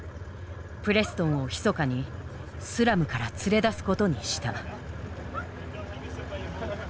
プレストンをひそかにスラムから連れ出すことにした。